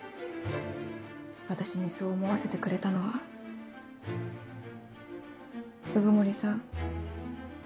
私にそう思わせてくれたのは鵜久森さん